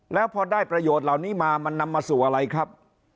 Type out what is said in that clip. แล้วพอได้ประโยชน์เหล่านี้มามันนำมาสู่อะไรครับ